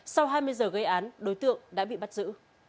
sau hai mươi giờ gây án đối tượng đã bị bắt giữ